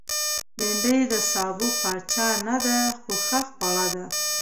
بېنډۍ د سابو پاچا نه ده، خو ښه خوړه ده